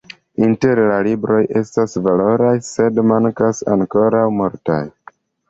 Inter la libroj estas valoraj, sed mankas ankoraŭ multaj.